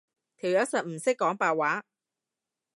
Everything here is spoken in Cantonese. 條友實唔識講白話